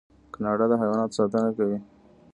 کاناډا د حیواناتو ساتنه کوي.